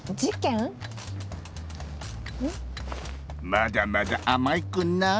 まだまだあまいクンな。